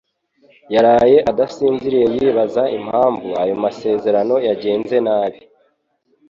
Yaraye adasinziriye yibaza impamvu ayo masezerano yagenze nabi.